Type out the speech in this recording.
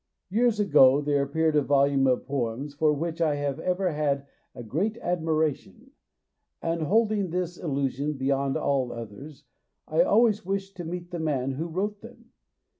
Years ago there appeared a volume of poems for which I have ever had a great admiration, and, holding this illusion beyond all others, I always wished to meet the man who wrote them.